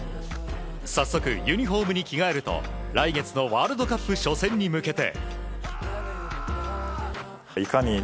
早速ユニホームに着替えると来月のワールドカップ初戦に向けて。